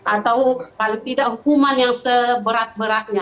atau paling tidak hukuman yang seberat beratnya